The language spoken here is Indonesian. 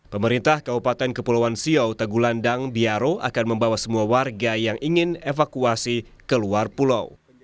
pemerintah kabupaten kepulauan siau tegulandang biaro akan membawa semua warga yang ingin evakuasi ke luar pulau